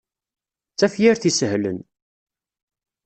D tafyirt isehlen.